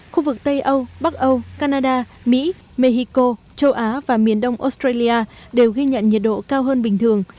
khu vực tây âu bắc âu canada mỹ mexico châu á và miền đông australia đều ghi nhận nhiệt độ cao hơn bình thường